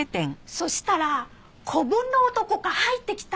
そしたら子分の男が入ってきた。